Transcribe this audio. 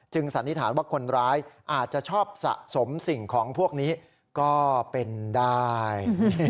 สันนิษฐานว่าคนร้ายอาจจะชอบสะสมสิ่งของพวกนี้ก็เป็นได้